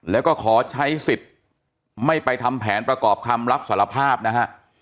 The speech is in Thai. แล้วก็ขอใช้สิทธิ์ไม่ไปทำแผนประกอบคำรับสารภาพนะฮะ